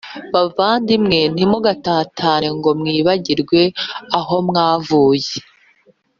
Bavandimwe ntimugatatane ngo mwibagirwe aho mwavuye